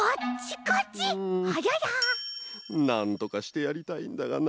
なんとかしてやりたいんだがな。